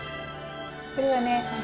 これはね